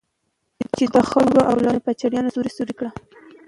چې د خلکو اولادونه په چړيانو سوري سوري کړي.